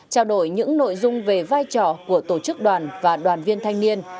trao đổi những nội dung về vai trò của tổ chức đoàn và đoàn viên thanh niên